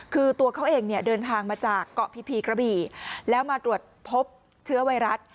คือตัวเขาเองเนี่ยเดินทางมาจากเกาะพีพีกระบี่แล้วมาตรวจพบเชื้อไวรัส